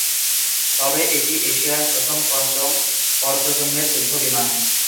তবে এটি এশিয়ার প্রথম পঞ্চম প্রজন্মের যুদ্ধ বিমান।